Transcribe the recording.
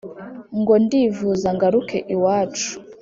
ngo ndivuza ngaruke iwacu